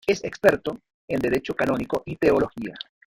Es experto en Derecho Canónico y Teología.